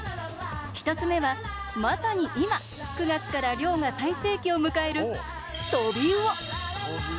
１つ目は、まさに今９月から漁が最盛期を迎えるトビウオ。